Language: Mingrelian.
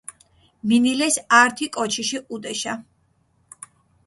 მინილეს ართი კოჩიში ჸუდეშა.